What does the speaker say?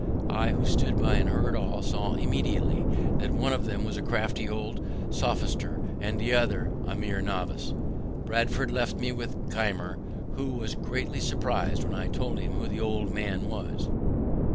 I, who stood by and heard all, saw immediately that one of them was a crafty old sophister, and the other a mere novice. Bradford left me with Keimer, who was greatly surpris'd when I told him who the old man was.